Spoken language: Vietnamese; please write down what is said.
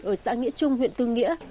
ở xã nghĩa trung huyện tư nghĩa